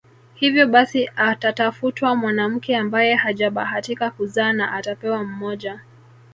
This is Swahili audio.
Hivyo basi atatafutwa mwanamke ambaye hajabahatika kuzaa na atapewa mmoja